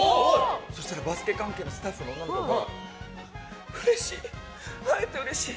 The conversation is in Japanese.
そしたらバスケ関係のスタッフの女の子がうれしい会えてうれしい！